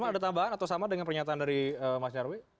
ada tambahan atau sama dengan pernyataan dari mas nyarwi